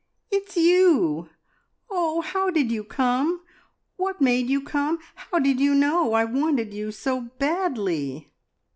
"It's you! Oh, how did you come? What made you come? How did you know I wanted you so badly?"